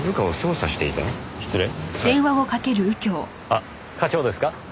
あっ課長ですか？